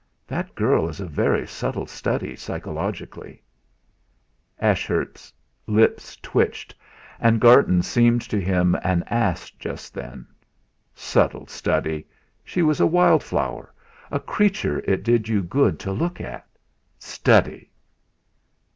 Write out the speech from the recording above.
That girl is a very subtle study psychologically." Ashurst's lips twitched. Garton seemed to him an ass just then. Subtle study! She was a wild flower. A creature it did you good to look at. Study!